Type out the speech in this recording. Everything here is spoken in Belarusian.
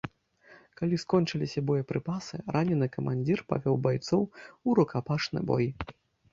Калі скончыліся боепрыпасы, ранены камандзір павёў байцоў у рукапашны бой.